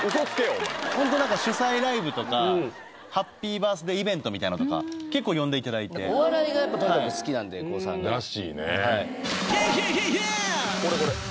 お前ホント何か主催ライブとかハッピーバースデーイベントみたいなのとか結構呼んでいただいてお笑いがやっぱとにかく好きなんでＫＯＯさんがらしいねヒエヒエヒエヒエ！